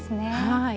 はい。